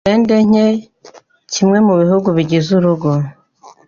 Rwende nke kimwe mu bihugu bigize Urugo